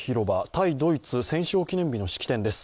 対ドイツ戦勝記念日の式典です。